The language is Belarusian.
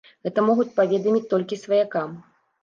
Гэта могуць паведаміць толькі сваякам.